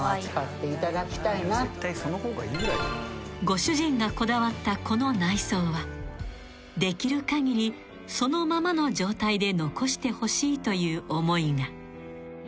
［ご主人がこだわったこの内装はできる限りそのままの状態で残してほしいという思いが］